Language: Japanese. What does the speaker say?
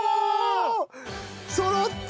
そろった！